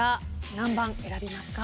何番選びますか？